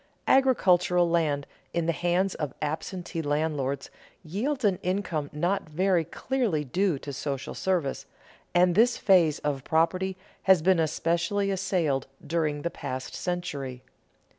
Agricultural land in the hands of absentee landlords yields an income not very clearly due to social service, and this phase of property has been especially assailed during the past century.